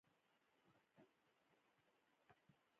د نورو له عیب له لیدلو څخه به هم خوند وانخلو.